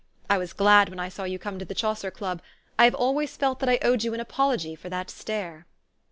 I was glad when I saw you come into the Chaucer Club. I have always felt that I owed you an apology for that stare."